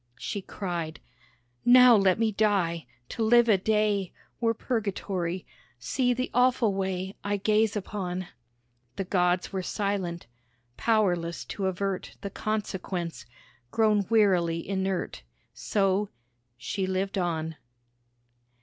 She cried, "Now let me die, to live a day Were Purgatory. See the awful way I gaze upon." The Gods were silent; powerless to avert The consequence, grown wearily inert. So—she lived on.